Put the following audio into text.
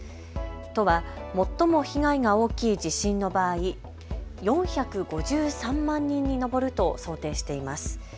都は最も被害が大きい地震の場合、４５３万人に上ると想定しています。